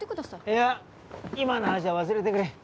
いや今の話は忘れてくれ。